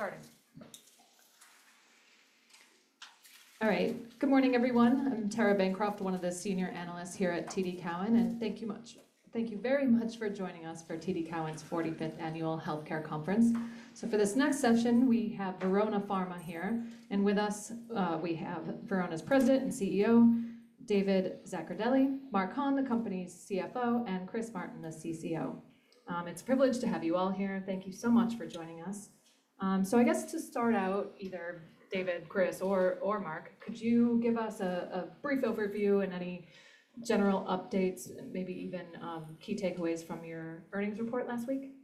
All right, starting. All right. Good morning, everyone. I'm Tara Bancroft, one of the senior analysts here at TD Cowen, and thank you very much for joining us for TD Cowen's 45th Annual Healthcare Conference. So for this next session, we have Verona Pharma here, and with us, we have Verona's President and CEO, David Zaccardelli, Mark Hahn, the company's CFO, and Chris Martin, the CCO. It's a privilege to have you all here, and thank you so much for joining us. So I guess to start out, either David, Chris, or Mark, could you give us a brief overview and any general updates, maybe even key takeaways from your earnings report last week?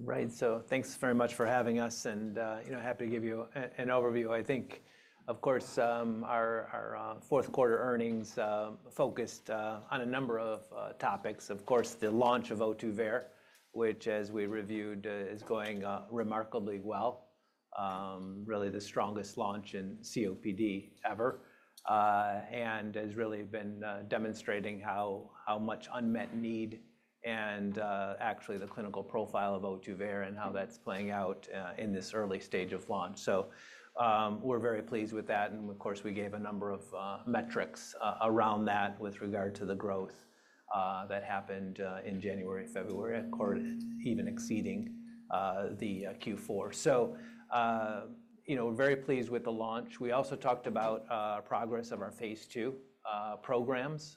Right. So thanks very much for having us, and happy to give you an overview. I think, of course, our fourth quarter earnings focused on a number of topics. Of course, the launch of Ohtuvayre, which, as we reviewed, is going remarkably well. Really the strongest launch in COPD ever, and has really been demonstrating how much unmet need and actually the clinical profile of Ohtuvayre and how that's playing out in this early stage of launch. So we're very pleased with that, and of course, we gave a number of metrics around that with regard to the growth that happened in January and February, even exceeding the Q4. So we're very pleased with the launch. We also talked about progress of our phase II programs,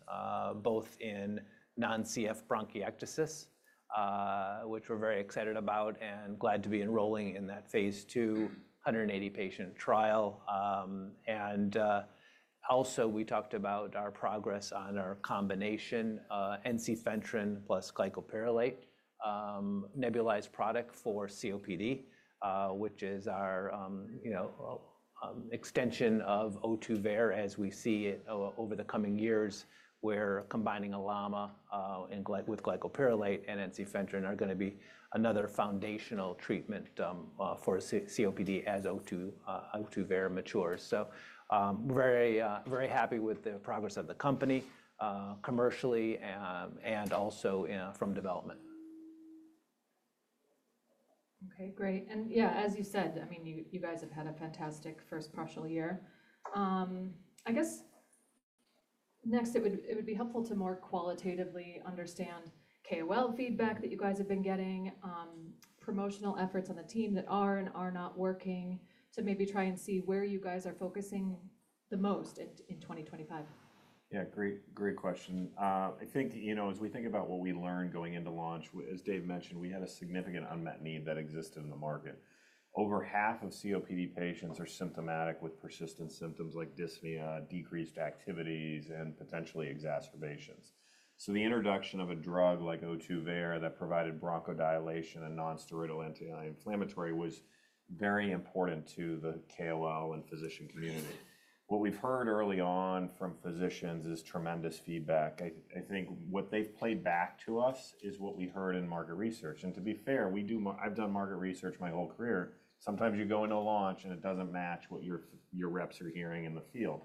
both in non-CF bronchiectasis, which we're very excited about, and glad to be enrolling in that phase II 180-patient trial. We also talked about our progress on our combination ensifentrine plus glycopyrrolate nebulized product for COPD, which is our extension of Ohtuvayre as we see it over the coming years, where combining LAMA with glycopyrrolate and ensifentrine are going to be another foundational treatment for COPD as Ohtuvayre matures. Very happy with the progress of the company commercially and also from development. Okay, great. And yeah, as you said, I mean, you guys have had a fantastic first partial year. I guess next, it would be helpful to more qualitatively understand KOL feedback that you guys have been getting, promotional efforts on the team that are and are not working, to maybe try and see where you guys are focusing the most in 2025. Yeah, great question. I think as we think about what we learned going into launch, as Dave mentioned, we had a significant unmet need that existed in the market. Over half of COPD patients are symptomatic with persistent symptoms like dyspnea, decreased activities, and potentially exacerbations. So the introduction of a drug like Ohtuvayre that provided bronchodilation and nonsteroidal anti-inflammatory was very important to the KOL and physician community. What we've heard early on from physicians is tremendous feedback. I think what they've played back to us is what we heard in market research. And to be fair, I've done market research my whole career. Sometimes you go into a launch and it doesn't match what your reps are hearing in the field.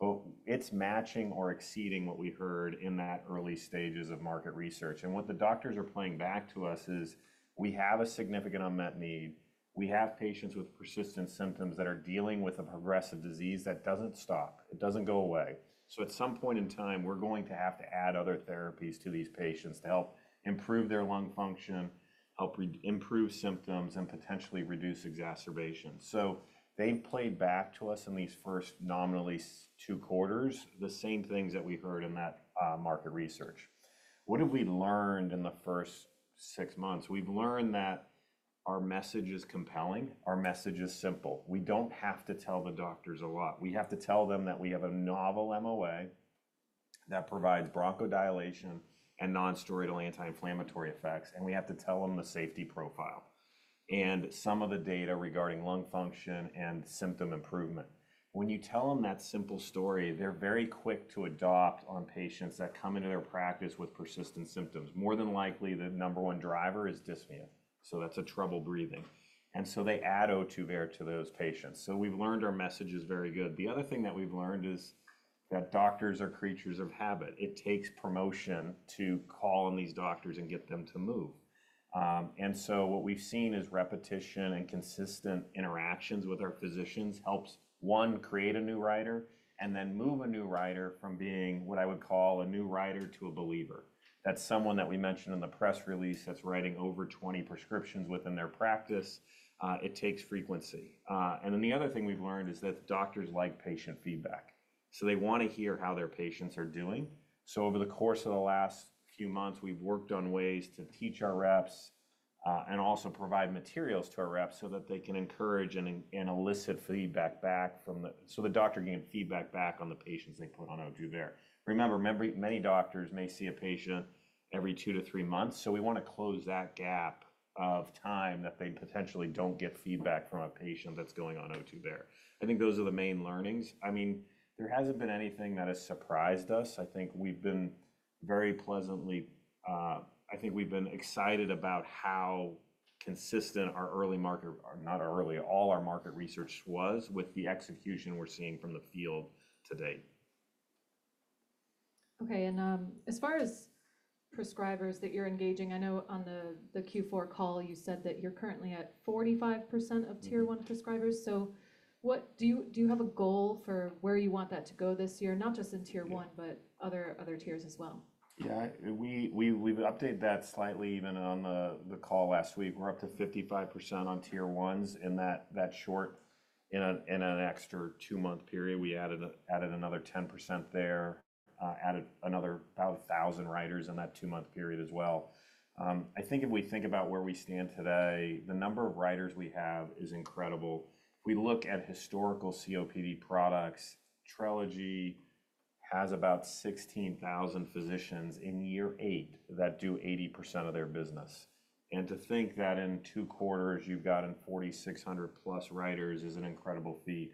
But it's matching or exceeding what we heard in that early stages of market research. And what the doctors are playing back to us is we have a significant unmet need. We have patients with persistent symptoms that are dealing with a progressive disease that doesn't stop. It doesn't go away. So at some point in time, we're going to have to add other therapies to these patients to help improve their lung function, help improve symptoms, and potentially reduce exacerbation. So they played back to us in these first nominally two quarters the same things that we heard in that market research. What have we learned in the first six months? We've learned that our message is compelling. Our message is simple. We don't have to tell the doctors a lot. We have to tell them that we have a novel MOA that provides bronchodilation and nonsteroidal anti-inflammatory effects, and we have to tell them the safety profile and some of the data regarding lung function and symptom improvement. When you tell them that simple story, they're very quick to adopt on patients that come into their practice with persistent symptoms. More than likely, the number one driver is dyspnea, so that's a trouble breathing, and so they add Ohtuvayre to those patients. So we've learned our message is very good. The other thing that we've learned is that doctors are creatures of habit. It takes promotion to call on these doctors and get them to move. And so what we've seen is repetition and consistent interactions with our physicians helps, one, create a new writer, and then move a new writer from being what I would call a new writer to a believer. That's someone that we mentioned in the press release that's writing over 20 prescriptions within their practice. It takes frequency. And then the other thing we've learned is that doctors like patient feedback. So they want to hear how their patients are doing. So over the course of the last few months, we've worked on ways to teach our reps and also provide materials to our reps so that they can encourage and elicit feedback back from the patients so the doctor can get feedback back on the patients they put on Ohtuvayre. Remember, many doctors may see a patient every two to three months, so we want to close that gap of time that they potentially don't get feedback from a patient that's going on Ohtuvayre. I think those are the main learnings. I mean, there hasn't been anything that has surprised us. I think we've been very pleasantly excited about how consistent our early market, all our market research was with the execution we're seeing from the field today. Okay. And as far as prescribers that you're engaging, I know on the Q4 call, you said that you're currently at 45% of Tier 1 prescribers. So do you have a goal for where you want that to go this year, not just in Tier 1, but other tiers as well? Yeah, we've updated that slightly even on the call last week. We're up to 55% on Tier 1s in that short in an extra two-month period. We added another 10% there, added another about 1,000 writers in that two-month period as well. I think if we think about where we stand today, the number of writers we have is incredible. If we look at historical COPD products, Trelegy has about 16,000 physicians in year eight that do 80% of their business. And to think that in two quarters, you've gotten 4,600 plus writers is an incredible feat.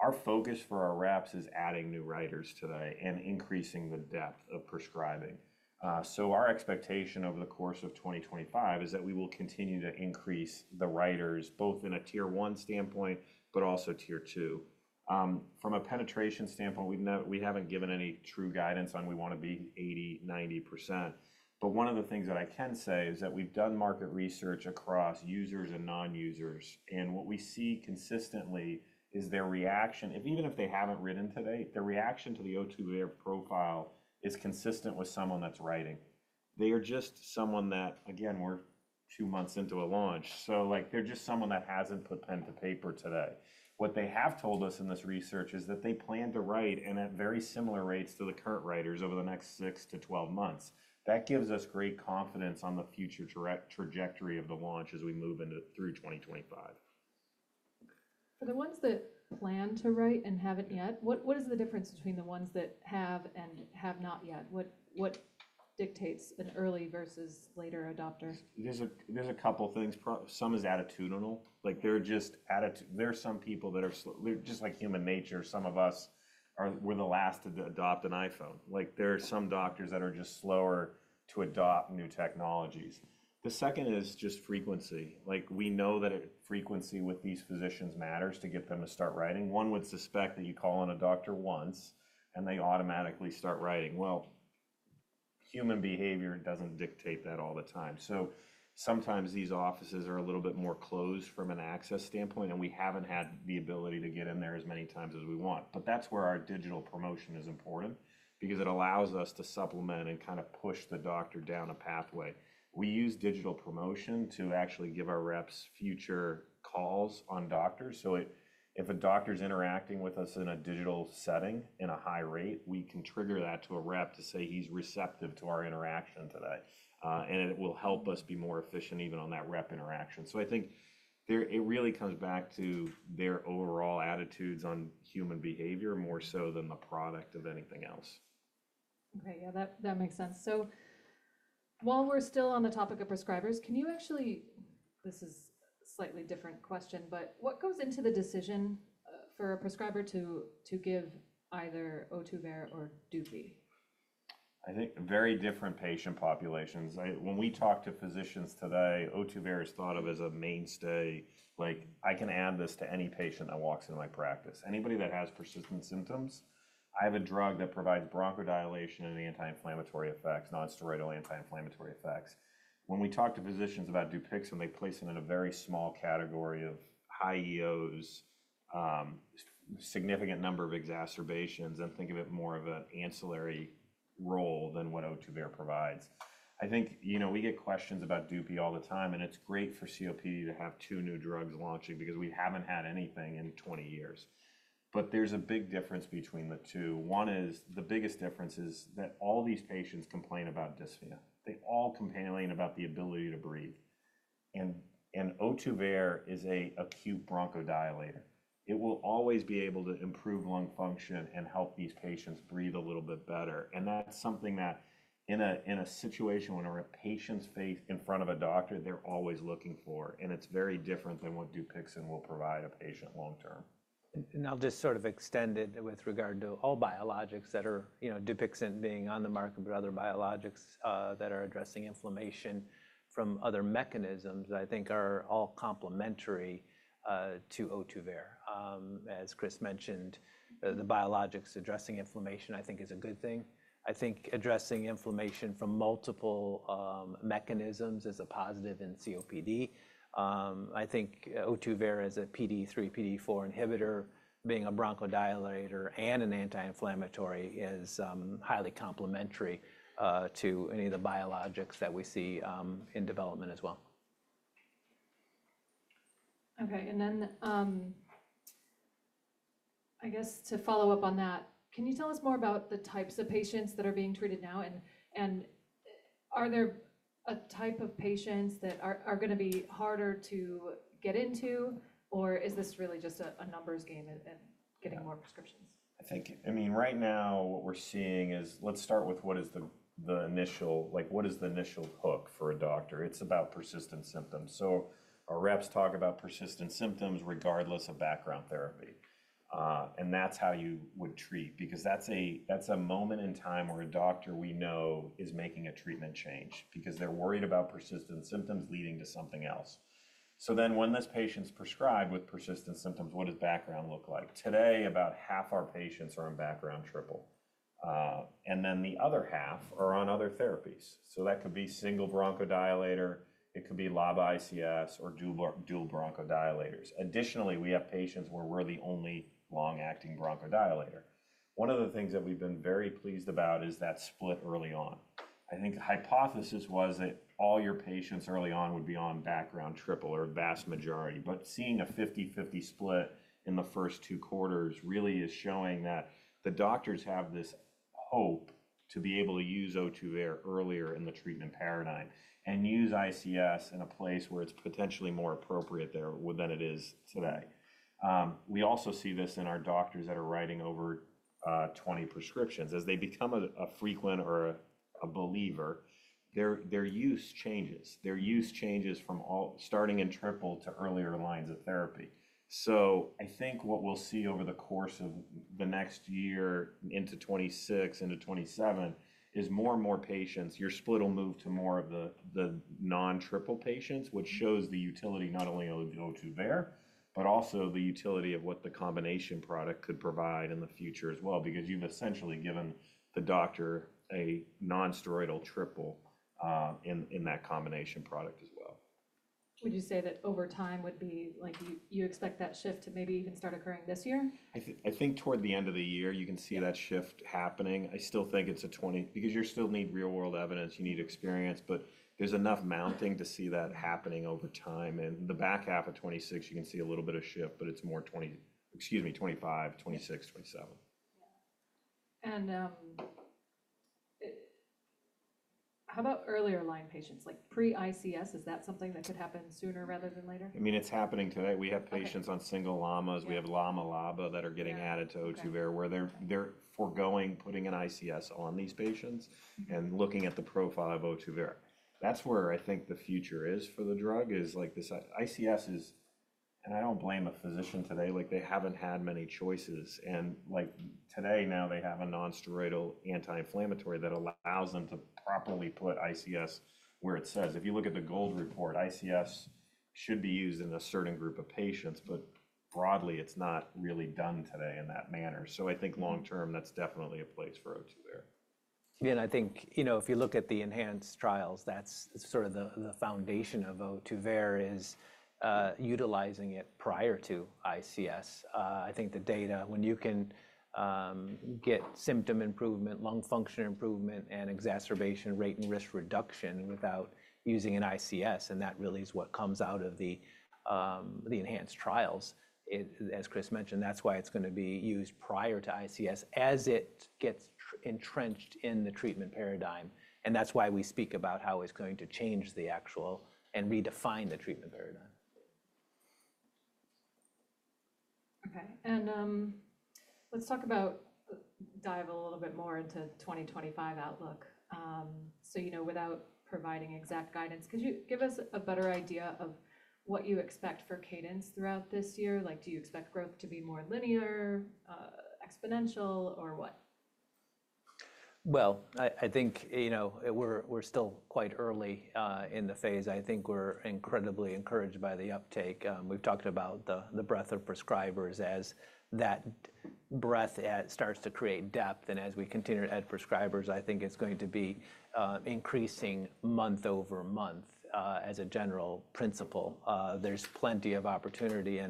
Our focus for our reps is adding new writers today and increasing the depth of prescribing. So our expectation over the course of 2025 is that we will continue to increase the writers, both in a Tier 1 standpoint, but also Tier 2. From a penetration standpoint, we haven't given any true guidance on we want to be 80%-90%. But one of the things that I can say is that we've done market research across users and non-users, and what we see consistently is their reaction, even if they haven't written today, their reaction to the Ohtuvayre profile is consistent with someone that's writing. They are just someone that, again, we're two months into a launch, so they're just someone that hasn't put pen to paper today. What they have told us in this research is that they plan to write at very similar rates to the current writers over the next six to 12 months. That gives us great confidence on the future trajectory of the launch as we move through 2025. For the ones that plan to write and haven't yet, what is the difference between the ones that have and have not yet? What dictates an early versus later adopter? There's a couple of things. Some is attitudinal. There are some people that are just like human nature. Some of us, we're the last to adopt an iPhone. There are some doctors that are just slower to adopt new technologies. The second is just frequency. We know that frequency with these physicians matters to get them to start writing. One would suspect that you call in a doctor once and they automatically start writing. Well, human behavior doesn't dictate that all the time. So sometimes these offices are a little bit more closed from an access standpoint, and we haven't had the ability to get in there as many times as we want. But that's where our digital promotion is important because it allows us to supplement and kind of push the doctor down a pathway. We use digital promotion to actually give our reps future calls on doctors. So if a doctor's interacting with us in a digital setting in a high rate, we can trigger that to a rep to say he's receptive to our interaction today. And it will help us be more efficient even on that rep interaction. So I think it really comes back to their overall attitudes on human behavior more so than the product of anything else. Okay. Yeah, that makes sense. So while we're still on the topic of prescribers, can you? Actually this is a slightly different question, but what goes into the decision for a prescriber to give either Ohtuvayre or DUPIXENT? I think very different patient populations. When we talk to physicians today, Ohtuvayre is thought of as a mainstay. I can add this to any patient that walks into my practice. Anybody that has persistent symptoms, I have a drug that provides bronchodilation and anti-inflammatory effects, nonsteroidal anti-inflammatory effects. When we talk to physicians about DUPIXENT, they place them in a very small category of high Eos, significant number of exacerbations, and think of it more of an ancillary role than what Ohtuvayre provides. I think we get questions about DUPIXENT all the time, and it's great for COPD to have two new drugs launching because we haven't had anything in 20 years. But there's a big difference between the two. One is the biggest difference is that all these patients complain about dyspnea. They all complain about the ability to breathe, and Ohtuvayre is an acute bronchodilator. It will always be able to improve lung function and help these patients breathe a little bit better. That's something that in a situation when a patient is in front of a doctor, they're always looking for. It's very different than what DUPIXENT will provide a patient long term. I'll just sort of extend it with regard to all biologics that are DUPIXENT being on the market, but other biologics that are addressing inflammation from other mechanisms I think are all complementary to Ohtuvayre. As Chris mentioned, the biologics addressing inflammation I think is a good thing. I think addressing inflammation from multiple mechanisms is a positive in COPD. I think Ohtuvayre as a PDE3, PDE4 inhibitor, being a bronchodilator and an anti-inflammatory, is highly complementary to any of the biologics that we see in development as well. Okay. And then I guess to follow up on that, can you tell us more about the types of patients that are being treated now? And are there a type of patients that are going to be harder to get into, or is this really just a numbers game and getting more prescriptions? I think, I mean, right now, what we're seeing is let's start with what is the initial hook for a doctor. It's about persistent symptoms. So our reps talk about persistent symptoms regardless of background therapy. And that's how you would treat because that's a moment in time where a doctor we know is making a treatment change because they're worried about persistent symptoms leading to something else. So then when this patient's prescribed with persistent symptoms, what does background look like? Today, about half our patients are on background triple. And then the other half are on other therapies. So that could be single bronchodilator. It could be LABA/ICS or dual bronchodilators. Additionally, we have patients where we're the only long-acting bronchodilator. One of the things that we've been very pleased about is that split early on. I think the hypothesis was that all your patients early on would be on background triple or vast majority. But seeing a 50/50 split in the first two quarters really is showing that the doctors have this hope to be able to use Ohtuvayre earlier in the treatment paradigm and use ICS in a place where it's potentially more appropriate than it is today. We also see this in our doctors that are writing over 20 prescriptions. As they become a frequent or a believer, their use changes. Their use changes from starting in triple to earlier lines of therapy. So I think what we'll see over the course of the next year into 2026, into 2027, is more and more patients, your split will move to more of the non-triple patients, which shows the utility not only of the Ohtuvayre, but also the utility of what the combination product could provide in the future as well because you've essentially given the doctor a nonsteroidal triple in that combination product as well. Would you say that over time would be you expect that shift to maybe even start occurring this year? I think toward the end of the year, you can see that shift happening. I still think it's a 20 because you still need real-world evidence. You need experience. But there's enough mounting to see that happening over time, and the back half of 2026, you can see a little bit of shift, but it's more 2020 excuse me, 2025, 2026, 2027. Yeah, and how about earlier line patients? Pre-ICS, is that something that could happen sooner rather than later? I mean, it's happening today. We have patients on single LAMAs. We have LAMA+LABA that are getting added to Ohtuvayre where they're forgoing putting an ICS on these patients and looking at the profile of Ohtuvayre. That's where I think the future is for the drug is ICS is and I don't blame a physician today. They haven't had many choices, and today, now they have a nonsteroidal anti-inflammatory that allows them to properly put ICS where it says. If you look at the GOLD Report, ICS should be used in a certain group of patients, but broadly, it's not really done today in that manner, so I think long term, that's definitely a place for Ohtuvayre. Yeah, and I think if you look at the ENHANCE trials, that's sort of the foundation of Ohtuvayre is utilizing it prior to ICS. I think the data when you can get symptom improvement, lung function improvement, and exacerbation rate and risk reduction without using an ICS, and that really is what comes out of the ENHANCE trials. As Chris mentioned, that's why it's going to be used prior to ICS as it gets entrenched in the treatment paradigm. And that's why we speak about how it's going to change the paradigm and redefine the treatment paradigm. Okay, and let's talk about diving a little bit more into 2025 outlook. So without providing exact guidance, could you give us a better idea of what you expect for cadence throughout this year? Do you expect growth to be more linear, exponential, or what? I think we're still quite early in the phase. I think we're incredibly encouraged by the uptake. We've talked about the breadth of prescribers as that breadth starts to create depth. As we continue to add prescribers, I think it's going to be increasing month over month as a general principle. There's plenty of opportunity.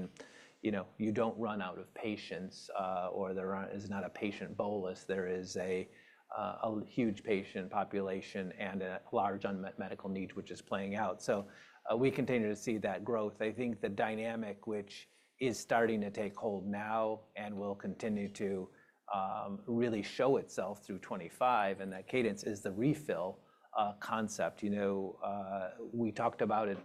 You don't run out of patients or there is not a patient bolus. There is a huge patient population and a large unmet medical need which is playing out. We continue to see that growth. I think the dynamic which is starting to take hold now and will continue to really show itself through 2025, and that cadence is the refill concept. We talked about it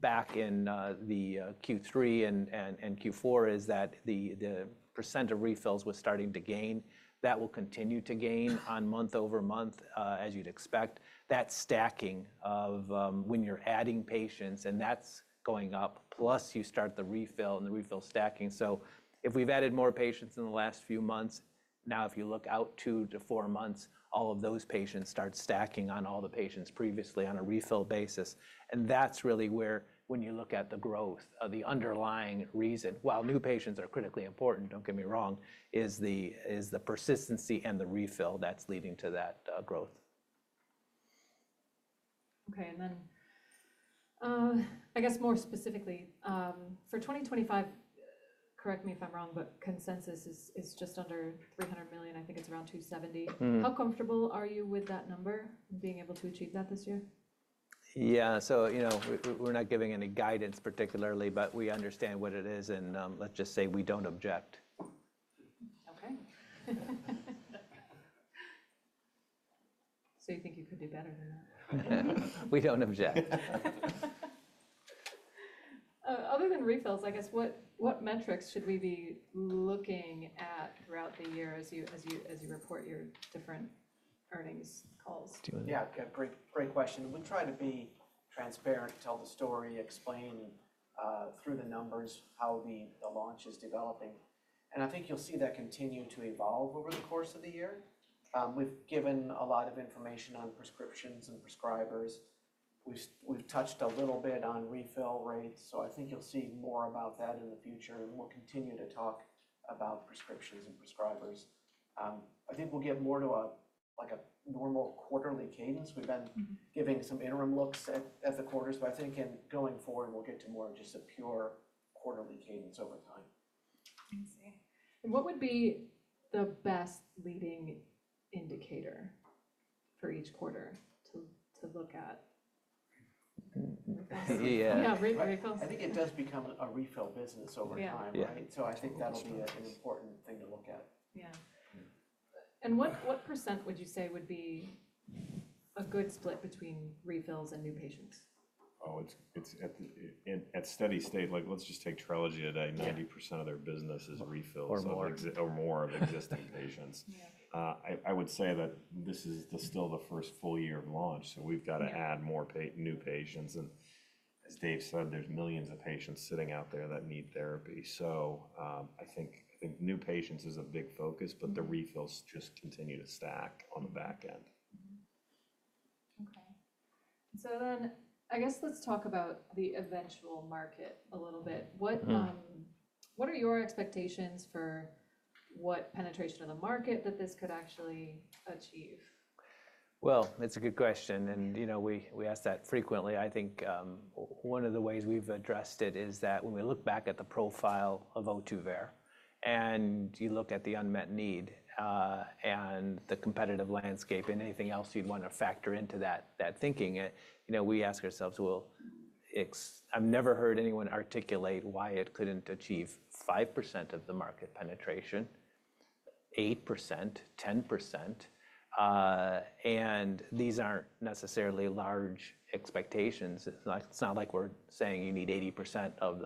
back in the Q3 and Q4. That is, the percent of refills was starting to gain. That will continue to gain month over month as you'd expect. That stacking of when you're adding patients, and that's going up, plus you start the refill and the refill stacking. So if we've added more patients in the last few months, now if you look out two to four months, all of those patients start stacking on all the patients previously on a refill basis. And that's really where when you look at the growth of the underlying reason. While new patients are critically important, don't get me wrong, is the persistency and the refill that's leading to that growth. Okay, and then I guess more specifically, for 2025, correct me if I'm wrong, but consensus is just under $300 million. I think it's around $270 million. How comfortable are you with that number, being able to achieve that this year? Yeah. So we're not giving any guidance particularly, but we understand what it is and let's just say we don't object. Okay. So you think you could do better than that? We don't object. Other than refills, I guess what metrics should we be looking at throughout the year as you report your different earnings calls? Yeah, great question. We try to be transparent, tell the story, explain through the numbers how the launch is developing. And I think you'll see that continue to evolve over the course of the year. We've given a lot of information on prescriptions and prescribers. We've touched a little bit on refill rates. So I think you'll see more about that in the future. And we'll continue to talk about prescriptions and prescribers. I think we'll get more to a normal quarterly cadence. We've been giving some interim looks at the quarters. But I think going forward, we'll get to more of just a pure quarterly cadence over time. I see. And what would be the best leading indicator for each quarter to look at? Yeah, very close. I think it does become a refill business over time, right? So I think that'll be an important thing to look at. Yeah. What percent would you say would be a good split between refills and new patients? Oh, it's at steady state. Let's just take Trelegy today. 90% of their business is refills or more of existing patients. I would say that this is still the first full year of launch. So we've got to add more new patients. And as Dave said, there's millions of patients sitting out there that need therapy. So I think new patients is a big focus, but the refills just continue to stack on the back end. Okay. So then I guess let's talk about the eventual market a little bit. What are your expectations for what penetration of the market that this could actually achieve? That's a good question. And we ask that frequently. I think one of the ways we've addressed it is that when we look back at the profile of Ohtuvayre and you look at the unmet need and the competitive landscape and anything else you'd want to factor into that thinking, we ask ourselves, well, I've never heard anyone articulate why it couldn't achieve five percent of the market penetration, eight percent, 10%. And these aren't necessarily large expectations. It's not like we're saying you need 80% of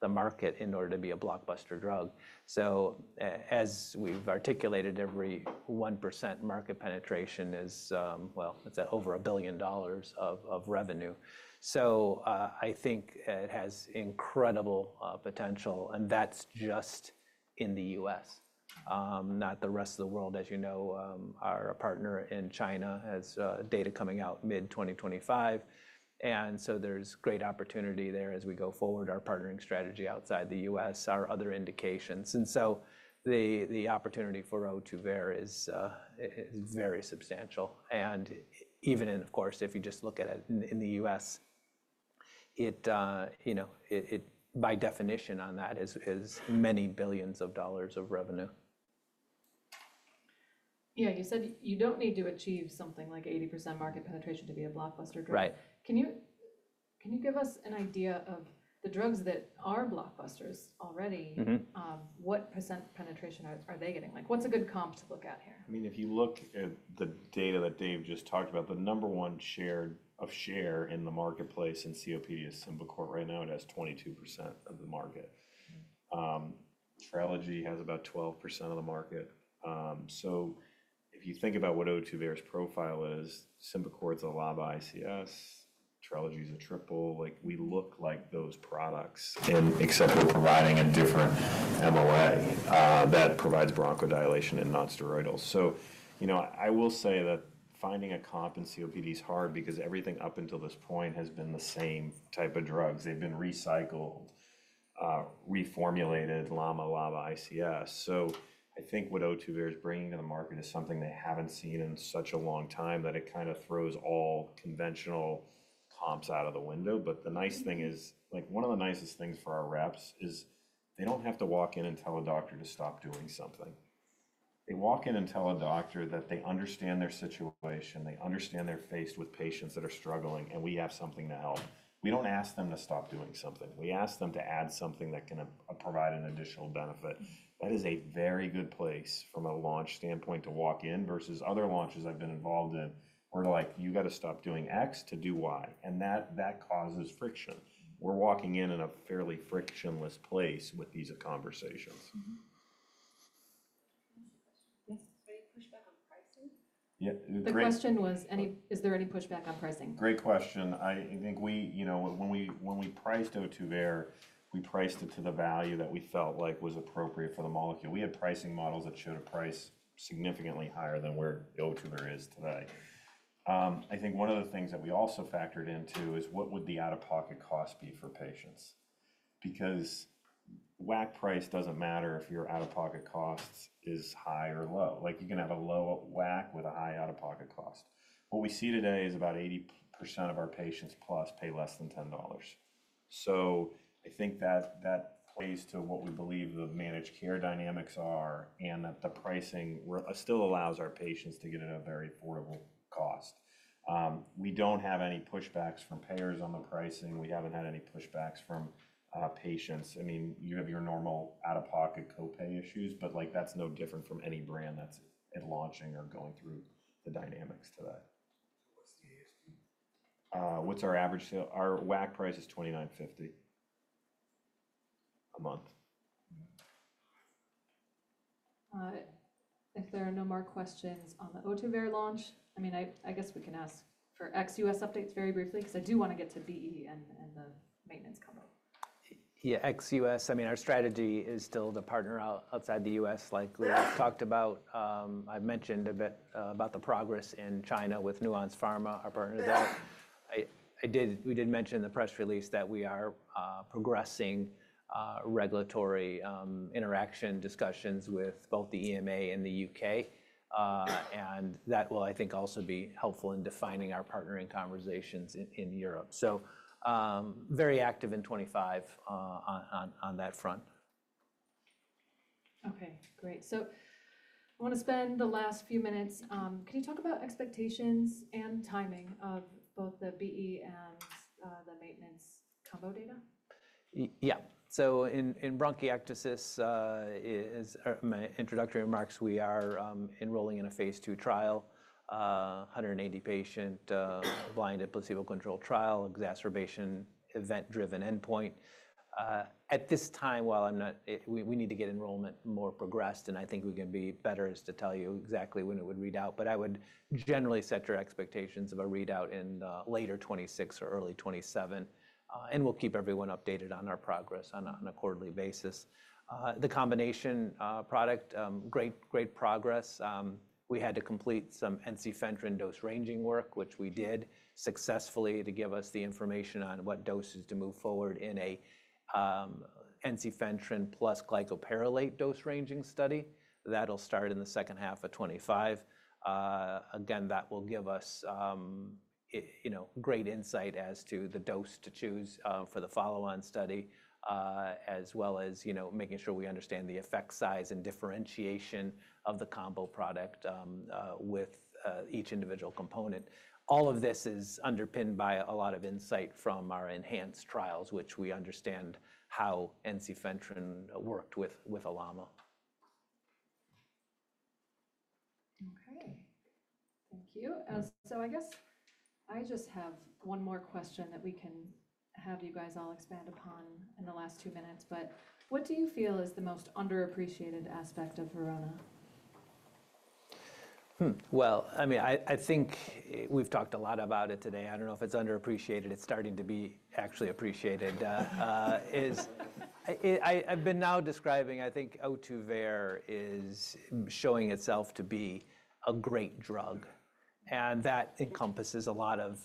the market in order to be a blockbuster drug. So as we've articulated, every one percent market penetration is, well, it's over $1 billion of revenue. So I think it has incredible potential. And that's just in the U.S., not the rest of the world. As you know, our partner in China has data coming out mid-2025. And so there's great opportunity there as we go forward, our partnering strategy outside the U.S., our other indications. And so the opportunity for Ohtuvayre is very substantial. And even in, of course, if you just look at it in the U.S., by definition on that is many billions of dollars of revenue. Yeah. You said you don't need to achieve something like 80% market penetration to be a blockbuster drug. Can you give us an idea of the drugs that are blockbusters already? What percent penetration are they getting? What's a good comp to look at here? I mean, if you look at the data that Dave just talked about, the number one share in the marketplace in COPD is Symbicort right now. It has 22% of the market. Trelegy has about 12% of the market. So if you think about what Ohtuvayre's profile is, Symbicort's a LABA/ICS, Trelegy's a triple. We look like those products except we're providing a different MOA that provides bronchodilation and nonsteroidals. So I will say that finding a comp in COPD is hard because everything up until this point has been the same type of drugs. They've been recycled, reformulated, LAMA/LABA/ICS. So I think what Ohtuvayre is bringing to the market is something they haven't seen in such a long time that it kind of throws all conventional comps out of the window. But the nice thing is one of the nicest things for our reps is they don't have to walk in and tell a doctor to stop doing something. They walk in and tell a doctor that they understand their situation. They understand they're faced with patients that are struggling, and we have something to help. We don't ask them to stop doing something. We ask them to add something that can provide an additional benefit. That is a very good place from a launch standpoint to walk in versus other launches I've been involved in where they're like, "You got to stop doing X to do Y." And that causes friction. We're walking in in a fairly frictionless place with these conversations. Yes. Any pushback on pricing? Yeah. The question was, "Is there any pushback on pricing? Great question. I think when we priced Ohtuvayre, we priced it to the value that we felt like was appropriate for the molecule. We had pricing models that showed a price significantly higher than where Ohtuvayre is today. I think one of the things that we also factored into is what would the out-of-pocket cost be for patients? Because WAC price doesn't matter if your out-of-pocket cost is high or low. You can have a low WAC with a high out-of-pocket cost. What we see today is about 80% of our patients who pay less than $10. So I think that plays to what we believe the managed care dynamics are and that the pricing still allows our patients to get at a very affordable cost. We don't have any pushbacks from payers on the pricing. We haven't had any pushbacks from patients. I mean, you have your normal out-of-pocket copay issues, but that's no different from any brand that's launching or going through the dynamics today. What's our average sale? Our WAC price is $29.50 a month. If there are no more questions on the Ohtuvayre launch, I mean, I guess we can ask for ex-U.S. updates very briefly because I do want to get to BE and the maintenance combo. Yeah, ex-U.S. I mean, our strategy is still to partner outside the U.S. like we talked about. I've mentioned a bit about the progress in China with Nuance Pharma, our partner there. We did mention in the press release that we are progressing regulatory interaction discussions with both the EMA and the U.K. That will, I think, also be helpful in defining our partnering conversations in Europe. So very active in 2025 on that front. Okay. Great, so I want to spend the last few minutes. Can you talk about expectations and timing of both the BE and the maintenance combo data? Yeah. So, in bronchiectasis, introductory remarks, we are enrolling in a phase II trial, 180-patient blinded placebo-controlled trial, exacerbation event-driven endpoint. At this time, while we need to get enrollment more progressed, and I think we can be better as to tell you exactly when it would read out, but I would generally set your expectations of a readout in later 2026 or early 2027, and we'll keep everyone updated on our progress on a quarterly basis. The combination product, great progress. We had to complete some ensifentrine dose ranging work, which we did successfully to give us the information on what doses to move forward in an ensifentrine plus glycopyrrolate dose ranging study. That'll start in the second half of 2025. Again, that will give us great insight as to the dose to choose for the follow-on study, as well as making sure we understand the effect size and differentiation of the combo product with each individual component. All of this is underpinned by a lot of insight from our ENHANCE trials, which we understand how ensifentrine worked with LAMA. Okay. Thank you, so I guess I just have one more question that we can have you guys all expand upon in the last two minutes, but what do you feel is the most underappreciated aspect of Verona? I mean, I think we've talked a lot about it today. I don't know if it's underappreciated. It's starting to be actually appreciated. I've been now describing, I think Ohtuvayre is showing itself to be a great drug. And that encompasses a lot of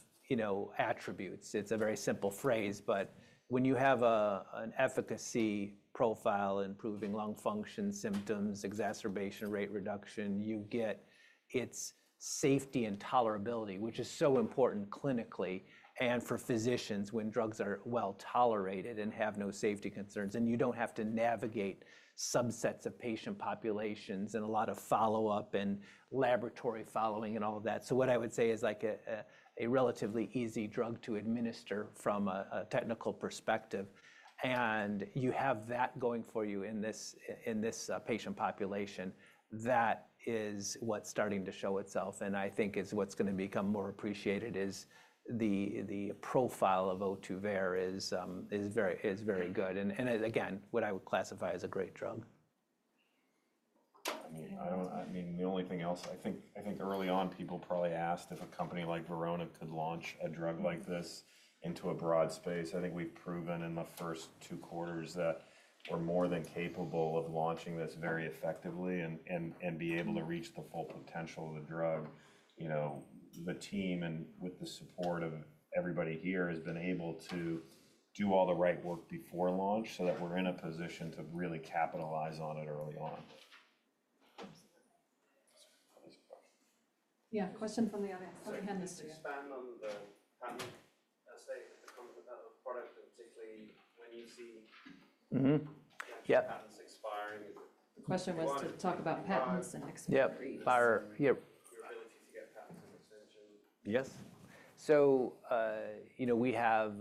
attributes. It's a very simple phrase, but when you have an efficacy profile improving lung function, symptoms, exacerbation rate reduction, you get its safety and tolerability, which is so important clinically and for physicians when drugs are well tolerated and have no safety concerns. And you don't have to navigate subsets of patient populations and a lot of follow-up and laboratory following and all of that. So what I would say is like a relatively easy drug to administer from a technical perspective. And you have that going for you in this patient population. That is what's starting to show itself. And I think what's going to become more appreciated is the profile of Ohtuvayre is very good. And again, what I would classify as a great drug. I mean, the only thing else, I think early on, people probably asked if a company like Verona could launch a drug like this into a broad space. I think we've proven in the first two quarters that we're more than capable of launching this very effectively and be able to reach the full potential of the drug. The team, with the support of everybody here, has been able to do all the right work before launch so that we're in a position to really capitalize on it early on. Yeah. Question from the audience. Go ahead, mister yeah. Can you expand on the patent estate that comes with the product, particularly when you see patents expiring? The question was to talk about patents and expiry. Yeah. Your ability to get patents and extension. Yes. So we have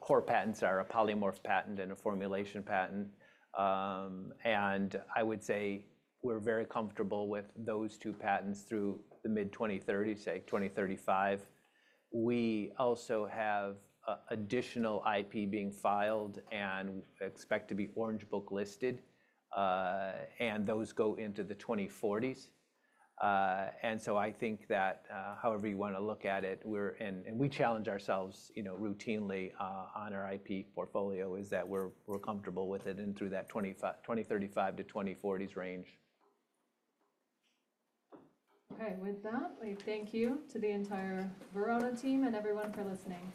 core patents that are a polymorph patent and a formulation patent. And I would say we're very comfortable with those two patents through the mid-2030s, say 2035. We also have additional IP being filed and expect to be Orange Book listed. And those go into the 2040s. And so I think that however you want to look at it, we're in and we challenge ourselves routinely on our IP portfolio is that we're comfortable with it in through that 2035-2040s range. Okay. With that, we thank you to the entire Verona team and everyone for listening.